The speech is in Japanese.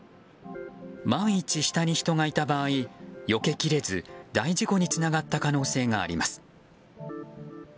万一、下に人がいた場合よけきれず大事故につながった可能性があります。